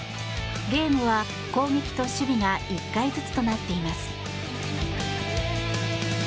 ゲームは攻撃と守備が１回ずつとなっています。